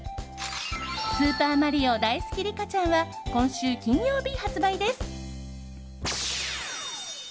スーパーマリオだいすきリカちゃんは今週金曜日、発売です。